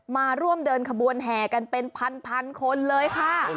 มาร่วมเดินขบวนแห่กันเป็นพันคนเลยค่ะ